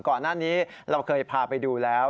ก่อนหน้านี้เราเคยพาไปดูแล้ว